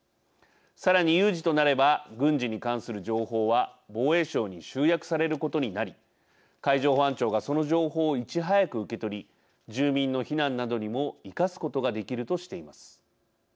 さらに有事となれば軍事に関する情報は防衛省に集約されることになり海上保安庁がその情報をいち早く受け取り住民の避難などにも生かすことができるとしています。